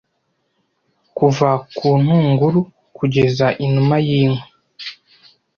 kuva kuntunguru kugeza inuma yinkwi